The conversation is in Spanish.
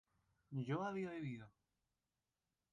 yo había bebido